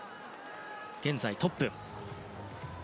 現在、トップ。